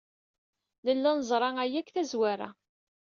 Nella neẓra aya seg tazwara.